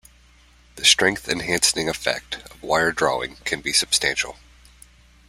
The strength-enhancing effect of wire drawing can be substantial.